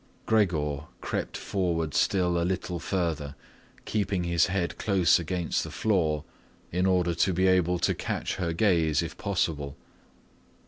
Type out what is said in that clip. Gregor crept forward still a little further, keeping his head close against the floor in order to be able to catch her gaze if possible.